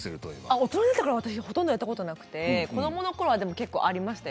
大人になってからはほとんどやったことがなくて子どものころ、やりましたよ。